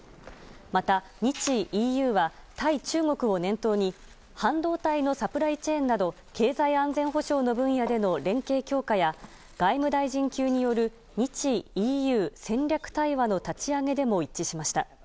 また、日ＥＵは対中国を念頭に半導体のサプライチェーンなど経済安全保障の分野での連携強化や外務大臣級による日ＥＵ戦略対話の立ち上げでも一致しました。